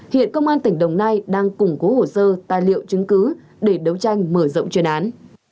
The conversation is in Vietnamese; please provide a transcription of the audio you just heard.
hiện công an tỉnh đồng nai đang củng cố hồ sơ tài liệu chứng cứ để đấu tranh mở rộng chuyên án